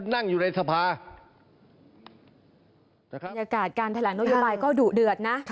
ในอากาศการแถลงนโยบายก็ดุเดือดนะ